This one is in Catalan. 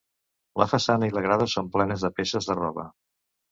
La façana i la grada són plenes de peces de roba.